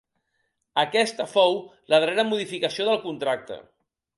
Aquesta fou la darrera modificació del contracte.